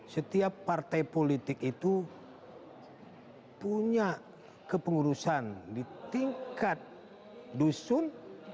setiap partai politik itu punya kepengurusan di tingkat dusun